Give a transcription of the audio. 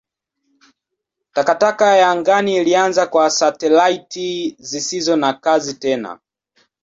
Takataka ya angani ilianza kwa satelaiti zisizo na kazi tena.